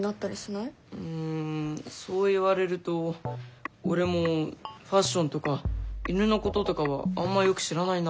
うんそう言われると俺もファッションとか犬のこととかはあんまよく知らないな。